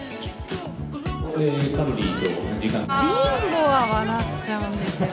凛吾は笑っちゃうんですよね。